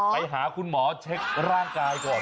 ไปหาคุณหมอเช็คร่างกายก่อน